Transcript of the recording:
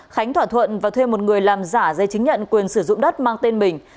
khánh thỏa thuận và thuê một người làm giả giấy chứng nhận quyền sử dụng đất mang tên mình